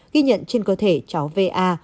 ghi nhận trên cơ thể cháu va